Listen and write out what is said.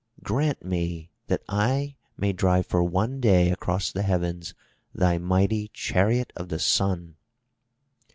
"Grant me that I may drive for one day across the heavens thy mighty chariot of the Sun."